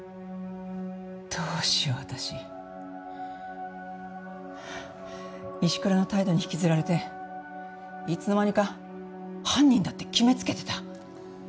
どうしよう私石倉の態度に引きずられていつの間にか犯人だって決めつけてた。